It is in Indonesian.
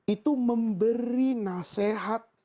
itu memberi nasehat